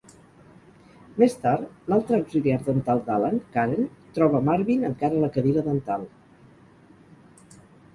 Més tard, l'altra auxiliar dental d'Alan, Karen, troba Marvin encara a la cadira dental.